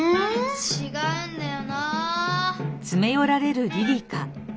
ちがうんだよな。